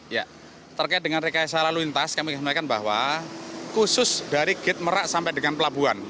ya terkait dengan rekayasa lalu lintas kami ingin sampaikan bahwa khusus dari gate merak sampai dengan pelabuhan